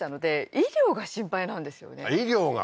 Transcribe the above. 医療が？